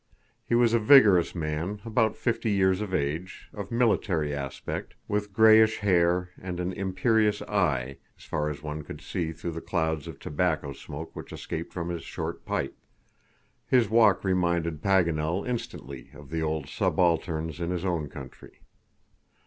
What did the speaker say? He was a vigorous man about fifty years of age, of military aspect, with grayish hair, and an imperious eye, as far as one could see through the clouds of tobacco smoke which escaped from his short pipe. His walk reminded Paganel instantly of the old subalterns in his own country.